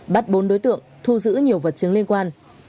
bắt bốn đối tượng thu giữ nhiều vật chứng liên quan